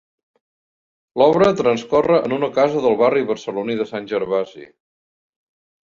L'obra transcorre en una casa del barri barceloní de Sant Gervasi.